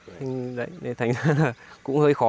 thế nên thành ra là cũng hơi khó